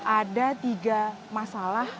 ada tiga masalah